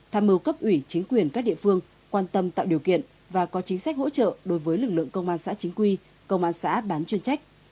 tham mưu cấp ủy chính quyền các địa phương quan tâm tạo điều kiện và có chính sách hỗ trợ đối với lực lượng công an xã chính quy công an xã bán chuyên trách